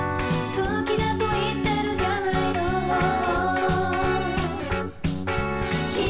「好きだと言ってるじゃないのＨＯＨＯ」